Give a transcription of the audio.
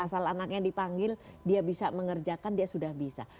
asal anaknya dipanggil dia bisa mengerjakan dia sudah bisa